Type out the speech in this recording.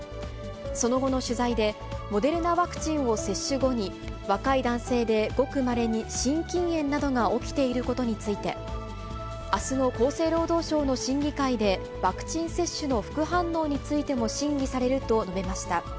その後の取材で、モデルナワクチンを接種後に、若い男性でごくまれに、心筋炎などが起きていることについて、あすの厚生労働省の審議会で、ワクチン接種の副反応についても審議されると述べました。